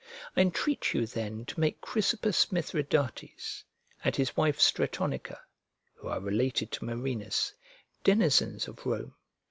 I entreat you then to make Chrysippus Mithridates and his wife Stratonica (who are related to Marinus) denizens of Rome.